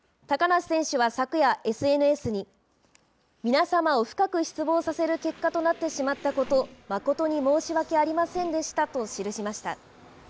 高梨選手は昨夜、ＳＮＳに、皆様を深く失望させる結果となってしまったこと、誠に申し訳ありませんでしたと記しました。